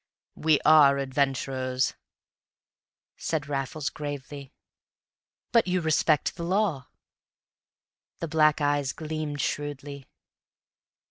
"We are adventurers," said Raffles gravely. "But you respect the law?" The black eyes gleamed shrewdly.